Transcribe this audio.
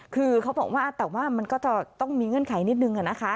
คือเขาบอกว่าแต่ว่ามันก็จะต้องมีเงื่อนไขนิดนึงนะคะ